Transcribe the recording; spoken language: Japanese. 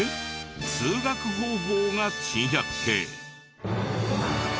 通学方法が珍百景。